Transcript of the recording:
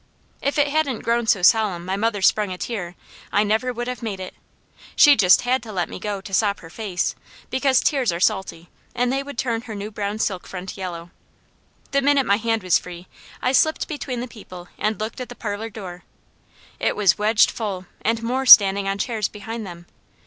If it hadn't grown so solemn my mother sprung a tear, I never would have made it. She just had to let me go to sop her face, because tears are salty, and they would turn her new brown silk front yellow. The minute my hand was free, I slipped between the people and looked at the parlour door. It was wedged full and more standing on chairs behind them.